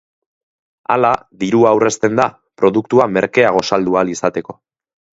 Hala dirua aurrezten da produktua merkeago saldu ahal izateko.